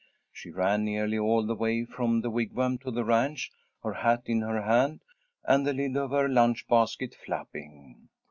She ran nearly all the way from the Wigwam to the ranch, her hat in her hand, and the lid of her lunch basket flapping.